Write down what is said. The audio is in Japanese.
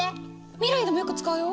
未来でもよく使うよ！